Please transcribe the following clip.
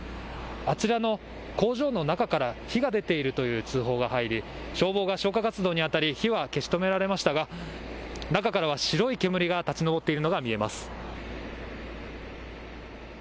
あちらの工場の中から火が出ているという通報が入り消防が消火活動にあたり火は消し止められましたが中からは白い煙が立ち上っているのが見えます。